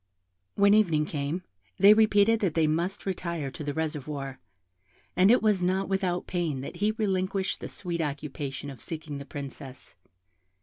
When evening came, they repeated that they must retire to the reservoir, and it was not without pain that he relinquished the sweet occupation of seeking the Princess.